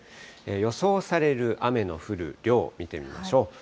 予想される雨の降る量、見てみましょう。